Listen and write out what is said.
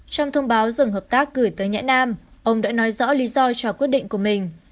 trong thông báo dừng hợp tác gửi tới nhã nam ông đã nói rõ lý do cho quyết định của mình